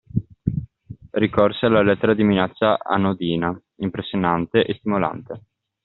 Ricorse alla lettera di minaccia anodina, impressionante e stimolante.